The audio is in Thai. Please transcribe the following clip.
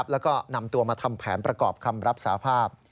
แล้วก็นำตัวมาทำแผนประกอบคำรับสาภาพ